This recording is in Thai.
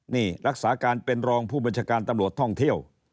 นี่รักษาการเป็นรองผู้บัญชาการตำรวจท่องเที่ยว